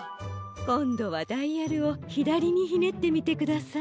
こんどはダイヤルをひだりにひねってみてください。